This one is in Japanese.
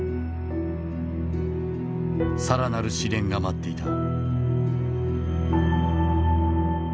更なる試練が待っていた。